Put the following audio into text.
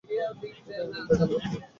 ওটায় আমার দেখা লাগবে।